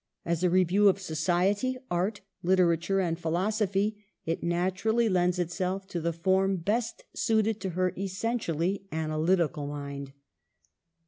As a review of society, art, literature, and philosophy, it nat urally lends itself to the form best suited to her essentially analytical mind.